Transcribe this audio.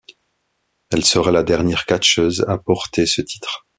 Elle sera la dernière catcheuse à porter ce titre.